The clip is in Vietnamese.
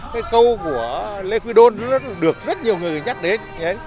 cái câu của lê quý đôn được rất nhiều người nhắc đến